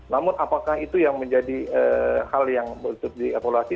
namun apakah itu yang menjadi hal yang di evaluasi